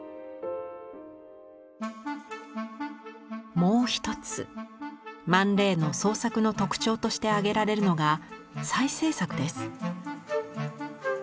もう一つマン・レイの創作の特徴として挙げられるのが再制作です。